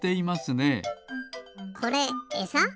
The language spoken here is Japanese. これエサ？